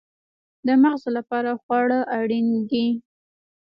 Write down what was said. د مغز لپاره خواړه اړین دي